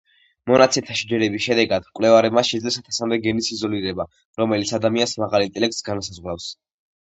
მონაცემთა შეჯერების შედეგად, მკვლევარებმა შეძლეს ათასამდე გენის იზოლირება, რომელიც ადამიანის მაღალ ინტელექტს განსაზღვრავს.